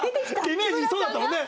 イメージそうだったもんね。